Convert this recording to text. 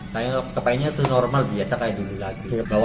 saya kepengennya itu normal biasa kayak dulu lagi